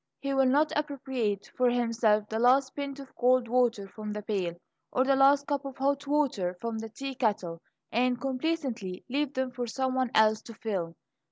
He will not appropriate for himself the last pint of cold water from the pail, or the last cup of hot water from the teakettle, and complacently leave them for some one else to fill.